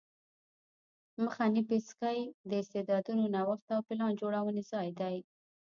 مخنی پیڅکی د استعدادونو نوښت او پلان جوړونې ځای دی